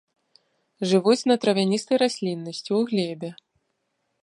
Жывуць на травяністай расліннасці, у глебе.